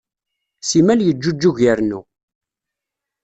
Simal yeǧǧuǧug irennu.